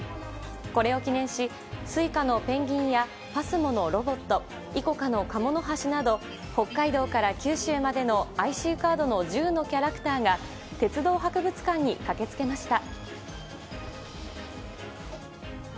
これを記念しＳｕｉｃａのペンギンやＰＡＳＭＯのロボットＩＣＯＣＡのカモノハシなど北海道から九州までのＩＣカードの１０のキャラクターが鉄道博物館に駆け付けました。